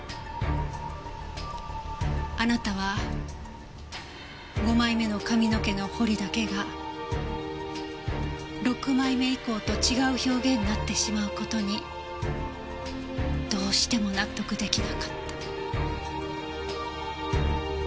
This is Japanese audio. あなたは５枚目の髪の毛の彫りだけが６枚目以降と違う表現になってしまう事にどうしても納得出来なかった。